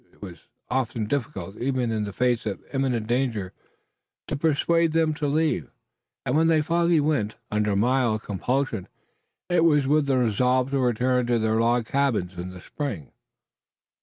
It was often difficult, even in the face of imminent danger, to persuade them to leave, and when they finally went, under mild compulsion, it was with the resolve to return to their log cabins in the spring.